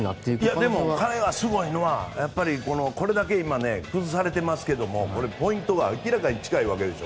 でも彼はすごいのはやっぱり、これだけ今崩されてますけどもポイントが明らかに近いわけでしょ。